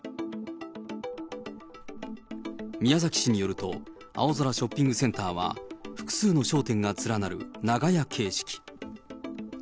宮崎市によると、青空ショッピングセンターは複数の商店が連なる長屋形式。